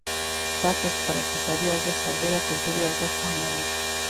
دا کسب پر اقتصادي ارزښت سربېره کلتوري ارزښت هم لري.